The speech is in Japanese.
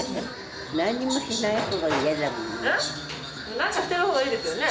何かしてる方がいいですよね。